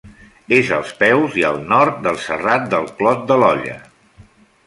És als peus i al nord del Serrat del Clot de l'Olla.